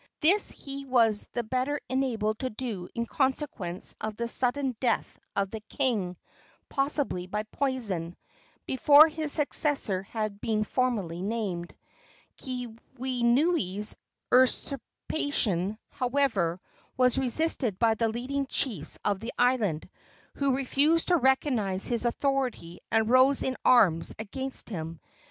This he was the better enabled to do in consequence of the sudden death of the king, possibly by poison, before his successor had been formally named. Keawenui's usurpation, however, was resisted by the leading chiefs of the island, who refused to recognize his authority and rose in arms against him.